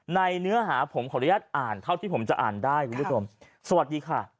เนื้อหาผมขออนุญาตอ่านเท่าที่ผมจะอ่านได้คุณผู้ชมสวัสดีค่ะ